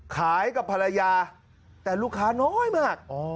กับภรรยาแต่ลูกค้าน้อยมาก